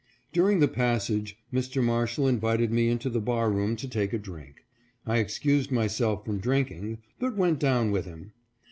During the passage Mr. Marshall invited me into the bar room to take a drink. I excused myself from drink ing, but went down with him.